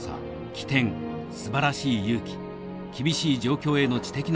機転すばらしい勇気厳しい状況への知的な対応。